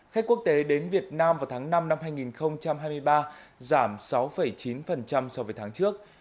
khách quốc tế đến việt nam vào tháng năm năm hai nghìn hai mươi ba giảm sáu chín so với tháng trước